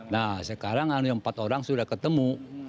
nah sekarang ada empat orang sudah ketemu